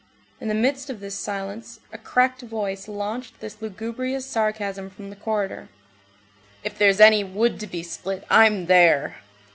In the midst of this silence, a cracked voice launched this lugubrious sarcasm from the corridor:— "If there's any wood to be split, I'm there!"